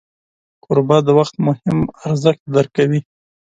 کوربه د وخت مهم ارزښت درک کوي.